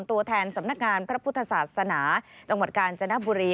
ตัวแทนสำนักงานพระพุทธศาสนาจังหวัดกาญจนบุรี